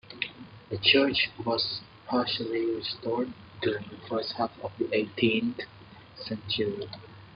The church was partially restored during the first half of the eighteenth century.